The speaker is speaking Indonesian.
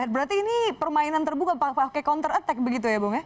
berarti ini permainan terbuka pakai counter attack begitu ya bung ya